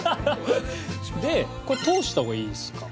でこれ通した方がいいですか？